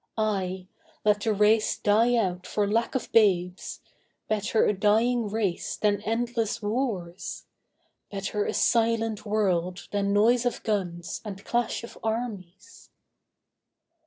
Ay! let the race die out for lack of babes Better a dying race than endless wars! Better a silent world than noise of guns And clash of armies.